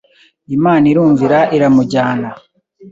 Imana irumvira iramujyana